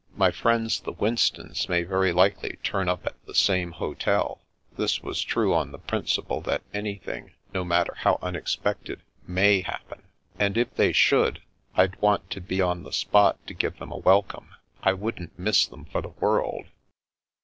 " My friends the Winstons may very likely turn up at the same hotel " (this was true on the principle that anything, no matter how unexpected, fnay happen) ;" and if they should, I'd want to be on the spot to give them a welcome. I wouldn't miss them for the world."